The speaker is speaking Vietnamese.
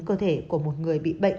cơ thể của một người bị bệnh